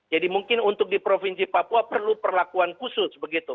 jadi mungkin untuk di provinsi papua perlu perlakuan khusus begitu